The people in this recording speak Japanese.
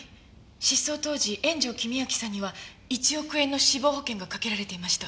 失踪当時円城公昭さんには１億円の死亡保険がかけられていました。